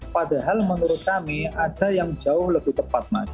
padahal menurut kami ada yang jauh lebih tepat mas